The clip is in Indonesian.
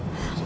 pas aku pergi